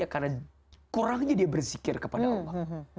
karena kurangnya dia bersikir kepada allah